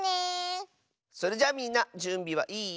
それじゃみんなじゅんびはいい？